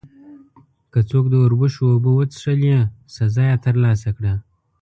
که څوک د اوربشو اوبه وڅښلې، سزا یې ترلاسه کړه.